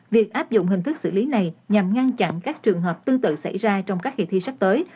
việc áp dụng hình thức xử lý này nhằm ngăn chặn các trường hợp tương tự xảy ra trong các kỳ thi sắp tới